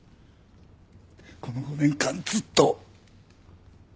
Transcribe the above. この５年間ずっと。